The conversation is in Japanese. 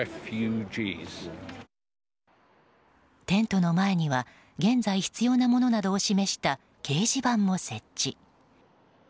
テントの前には現在必要なものなどを示した掲示板も設置。